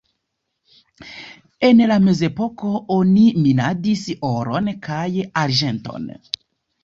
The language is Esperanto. En la mezepoko oni minadis oron kaj arĝenton.